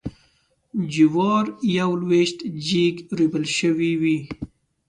جوارېوه لویشت جګ ریبل شوي وې.